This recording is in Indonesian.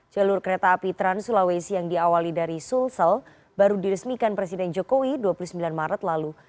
jalur kereta api trans sulawesi yang diawali dari sulsel baru diresmikan presiden jokowi dua puluh sembilan maret lalu